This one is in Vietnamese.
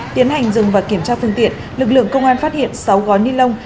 tiến hành dừng và kiểm tra phương tiện lực lượng công an phát hiện sáu gói ni lông